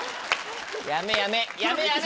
やめやめやめやめ